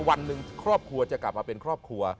วันหนึ่งครอบครัวจะกลับมาเป็นครอบครัว